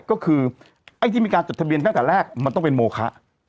ก็คือไอ้ที่มีการจดทะเบียนตั้งแต่แรกมันต้องเป็นโมคะ